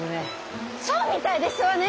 そうみたいですわね。